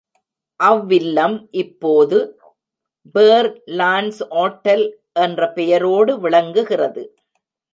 அவ்வில்லம் இப்போது, Fair Lawns ஓட்டல் என்ற பெயரோடு விளங்குகிறது.